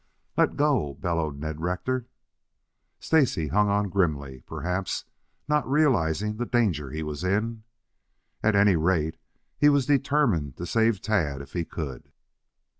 "Let go!" bellowed Ned Rector. Stacy hung on grimly, perhaps not realizing the danger he was in. At any rate, he was determined to save Tad if he could.